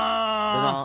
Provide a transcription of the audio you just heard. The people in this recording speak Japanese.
どどん。